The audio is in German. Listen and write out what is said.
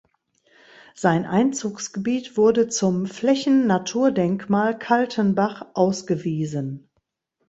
Sein Einzugsgebiet wurde zum "Flächennaturdenkmal Kaltenbach" ausgewiesen.